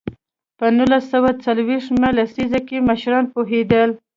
په نولس سوه څلوېښت مه لسیزه کې مشران پوهېدل.